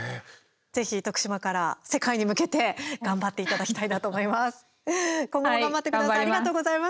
ぜひ徳島から世界に向けて頑張っていただきたいなと思います。